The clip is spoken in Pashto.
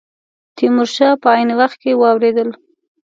تیمور شاه په عین وخت کې واورېدل.